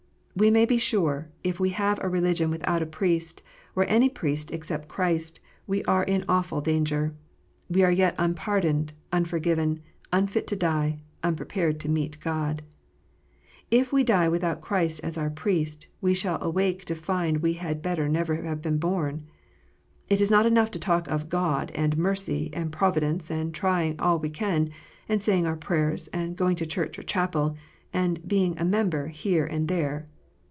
We may be sure, if we have a religion without a Priest, or any Priest except Christ, we are in awful danger : we are yet unpardoned, unforgiven, unfit to die, unprepared to meet God. If we die without Christ as our Priest, we shall awake to find we had better never have been born. It is not enough to talk of "God," and "mercy," and "providence," and "trying all we can," and " saying our prayers," and "going to church or chapel," and being "a member" here and there.